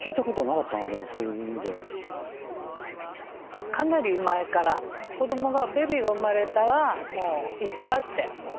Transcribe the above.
かなり前から子どもがベビーが生まれたらもう「ＩＳＳＡ」って。